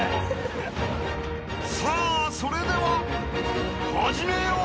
［さあそれでは始めよう！］